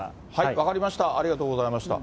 分かりました、ありがとうございました。